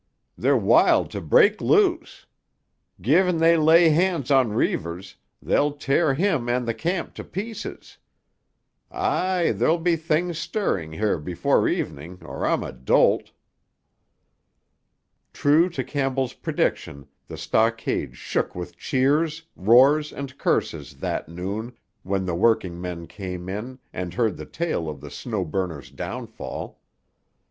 They're wild to break loose. Gi'n they lay hands on Reivers they'll tear him and the camp to pieces. Aye, there'll be things stirring here before evening, or I'm a dolt." True to Campbell's prediction, the stockade shook with cheers, roars and curses that noon when the working men came in and heard the tale of the Snow Burner's downfall.